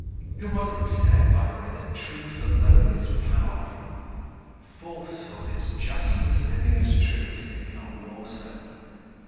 Who was it said, by the way, that truth alone is powerful? Falsehood is just as living as truth, if not more so.